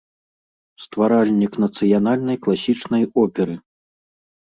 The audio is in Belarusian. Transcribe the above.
Стваральнік нацыянальнай класічнай оперы.